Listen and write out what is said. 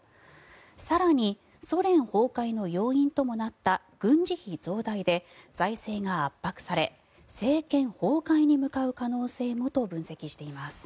更に、ソ連崩壊の要因ともなった軍事費増大で財政が圧迫され政権崩壊に向かう可能性もと分析しています。